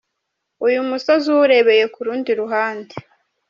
uyu musozi uwurebeye ku rundi ruhande.